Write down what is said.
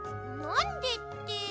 なんでって。